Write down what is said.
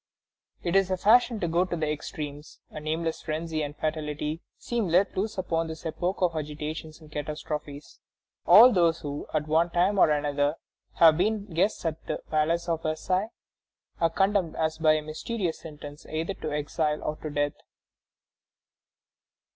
It is the fashion to go to extremes; a nameless frenzy and fatality seem let loose upon this epoch of agitations and catastrophes. All those who, at one time or another, have been guests at the palace of Versailles, are condemned, as by a mysterious sentence, either to exile or to death.